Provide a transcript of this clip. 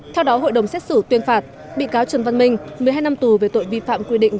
theo đó hội đồng xét xử tuyên phạt bị cáo trần văn minh một mươi hai năm tù về tội vi phạm quy định